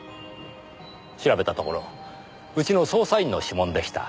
調べたところうちの捜査員の指紋でした。